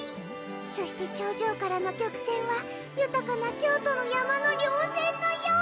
そして頂上からの曲線はゆたかな京都の山の稜線のよう！